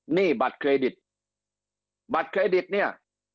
หนี้บัตรเครดิตบัตรเครดิตเนี่ย